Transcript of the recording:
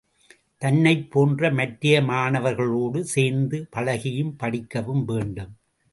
தன்னைப் போன்ற மற்றைய மாணவர்களோடு சேர்ந்து பழகியும் படிக்க வேண்டும்.